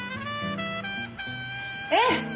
ええ！